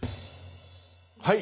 はい。